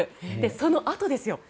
そのあとですよ